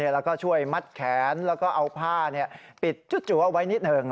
แล้วก็ช่วยมัดแขนแล้วก็เอาผ้าปิดจูเอาไว้นิดหนึ่ง